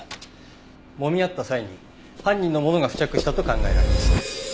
もみ合った際に犯人のものが付着したと考えられます。